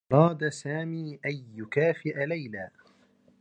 أراد سامي أن يكافئ ليلى.